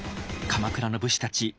鎌倉の武士たち